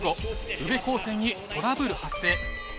宇部高専にトラブル発生。